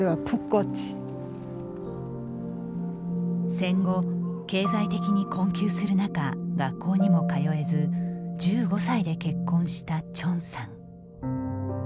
戦後、経済的に困窮する中学校にも通えず１５歳で結婚した鄭さん。